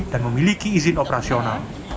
dan memiliki izin operasional